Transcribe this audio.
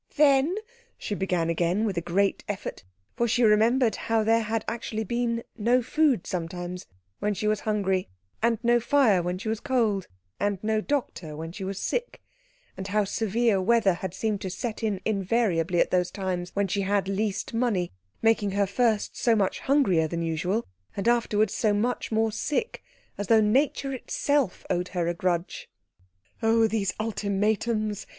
"Then " she began again, with a great effort; for she remembered how there had actually been no food sometimes when she was hungry, and no fire when she was cold, and no doctor when she was sick, and how severe weather had seemed to set in invariably at those times when she had least money, making her first so much hungrier than usual, and afterwards so much more sick, as though nature itself owed her a grudge. "Oh, these ultimatums!"